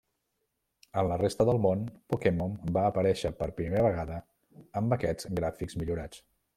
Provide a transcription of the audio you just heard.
En la resta del món, Pokémon va aparèixer per primera vegada amb aquests gràfics millorats.